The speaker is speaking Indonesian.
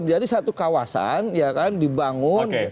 jadi satu kawasan dibangun